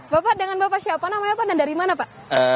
bapak dengan bapak siapa namanya pak dan dari mana pak